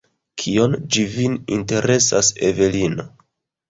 Kion ĝi vin interesas, Evelino?